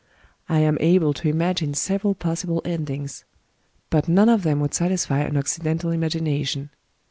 I am able to imagine several possible endings; but none of them would satisfy an Occidental imagination.